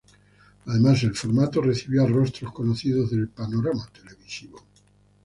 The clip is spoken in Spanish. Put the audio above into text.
Además el formato recibió a rostros conocidos del panorama televisivo.